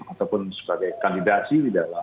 ataupun sebagai kandidasi di dalam